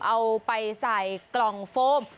เอาไปใส่กล่องโฟม